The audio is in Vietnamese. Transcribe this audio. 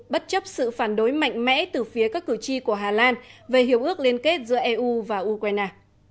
bất chấp sự phản đối mạnh mẽ từ phía các cử tri của hà lan về hiệp ước liên kết giữa eu và ukraine